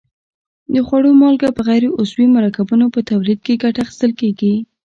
د خوړو مالګه په غیر عضوي مرکبونو په تولید کې ګټه اخیستل کیږي.